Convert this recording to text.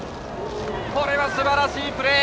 これはすばらしいプレー。